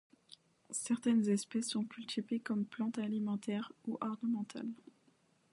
Certaines espèces sont cultivées comme plantes alimentaires ou ornementales.